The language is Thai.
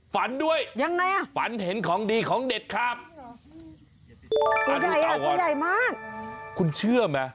ฝันด้วยฝันเห็นของดีของเด็ดครับอันนี้ค่ะวันคุณเชื่อมั้ย